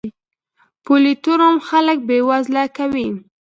پولي تورم خلک بې وزله کوي.